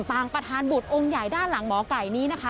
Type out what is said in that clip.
ประธานบุตรองค์ใหญ่ด้านหลังหมอไก่นี้นะคะ